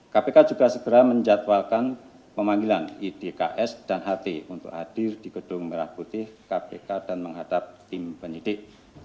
kpk juga segera menjatuhkan pemanggilan idks dan ht untuk hadir di gedung merah putih kpk dan menghadap tim penyidik